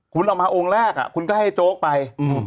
คุณเอามาองค์แรกคุณก็ให้โจ๊กไป